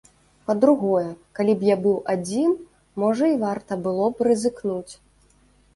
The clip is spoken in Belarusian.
Па-другое, калі б я быў адзін, можа і варта было б рызыкнуць.